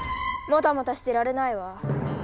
もたもたしてられないわ。